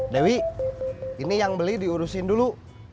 dewi ini yang beli diurusin dulu